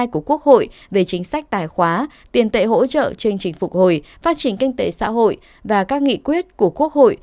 của quốc hội về chính sách tài khóa tiền tệ hỗ trợ chương trình phục hồi phát triển kinh tế xã hội và các nghị quyết của quốc hội